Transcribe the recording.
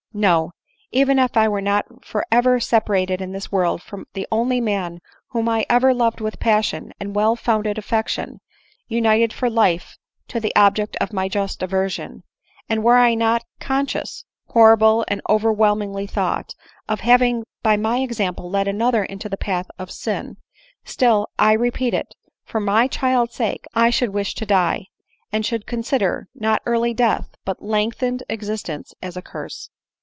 — No— even if 1 were not forever sepa rated in this world from the only man whom I ever loved with passionate and well founded affection, united for life to the object of my just aversion, and were I not con scious, (horrible and overwhelming thought !) of having by my example led another into the path of sin — still, 1 repeat it, for my child's sake, I should wish to die, and should consider, not early death, but lengthened existence, as a curse."